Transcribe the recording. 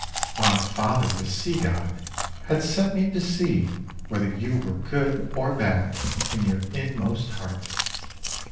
My father, the Sea God, had sent me to see whether you were good or bad in your inmost heart.